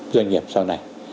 doanh nghiệp sau này